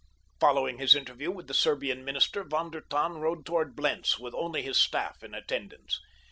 Following his interview with the Serbian minister Von der Tann rode toward Blentz with only his staff in attendance.